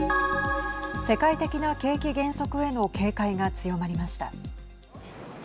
世界的な景気減速への警戒が強まりました。